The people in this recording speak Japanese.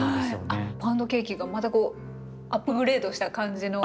あっパウンドケーキがまたこうアップグレードした感じの。